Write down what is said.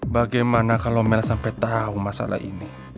bagaimana kalo mel sampai tau masalah ini